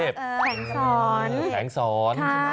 แข็งสอน